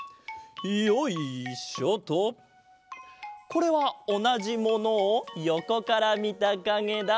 これはおなじものをよこからみたかげだ。